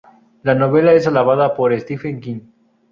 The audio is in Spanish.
La novela es alabada por Stephen King.